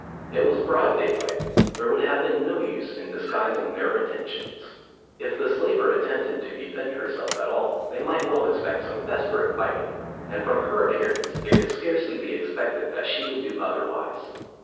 It was broad daylight. There would have been no use in disguising their intentions. If the slaver attempted to defend herself at all, they might well expect some desperate fighting, and from her appearance it could scarcely be expected that she would do otherwise.